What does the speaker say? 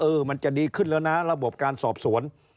มันจะดีขึ้นแล้วนะระบบการสอบสวน